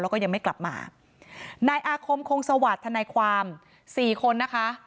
แล้วก็ยังไม่กลับมานายอาคมคงสวัสดิ์ทนายความสี่คนนะคะ